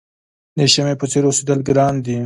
د شمعې په څېر اوسېدل ګران دي.